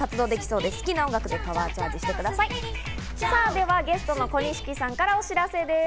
ではゲストの小錦さんからお知らせです。